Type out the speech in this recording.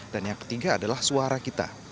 dan yang ketiga adalah suara kita